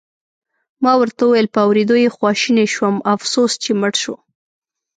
ما ورته وویل: په اورېدو یې خواشینی شوم، افسوس چې مړ شو.